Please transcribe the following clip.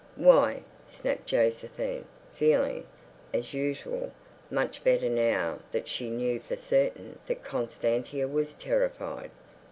"Why?" snapped Josephine, feeling, as usual, much better now that she knew for certain that Constantia was terrified.